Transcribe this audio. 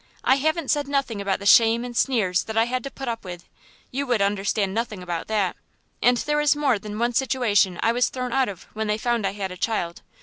I haven't said nothing about the shame and sneers I had to put up with you would understand nothing about that, and there was more than one situation I was thrown out of when they found I had a child.